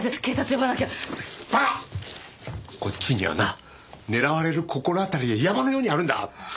こっちにはな狙われる心当たりが山のようにあるんだ。